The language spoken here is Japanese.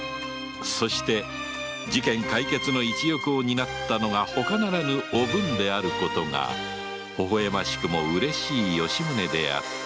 そして事件解決の一翼を担ったのがほかならぬおぶんであることが微笑ましくも嬉しい吉宗だった